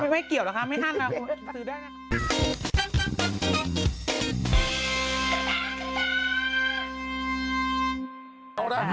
ไม่เกี่ยวหรอกครับไม่ทันครับซื้อได้นะ